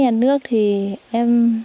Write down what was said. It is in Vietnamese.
nhà nước thì em